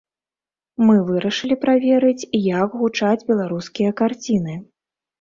Мы вырашылі праверыць, як гучаць беларускія карціны.